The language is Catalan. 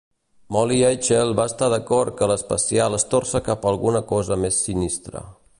Molly Eichel va estar d'acord que l'especial es torça cap a alguna cosa més sinistra.